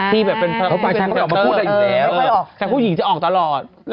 แต่ผู้หญิงจะออกตลอด